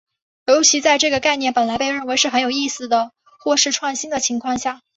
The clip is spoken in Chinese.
尤其在这个概念本来被认为是很有意思的或是创新的情况下。